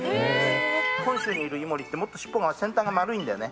本州にいるイモリって尻尾が先端が丸いんだよね。